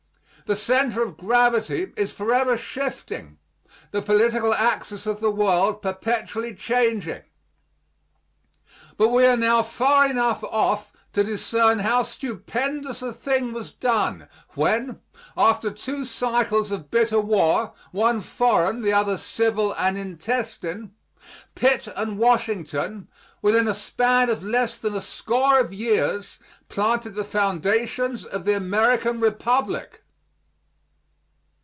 The center of gravity is forever shifting, the political axis of the world perpetually changing. But we are now far enough off to discern how stupendous a thing was done when, after two cycles of bitter war, one foreign, the other civil and intestine, Pitt and Washington, within a span of less than a score of years, planted the foundations of the American Republic.